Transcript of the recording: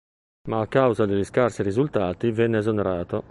Ma a causa degli scarsi risultati venne esonerato.